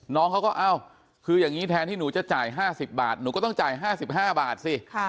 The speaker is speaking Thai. น้องเขาก็เอ้าคืออย่างนี้แทนที่หนูจะจ่าย๕๐บาทหนูก็ต้องจ่าย๕๕บาทสิ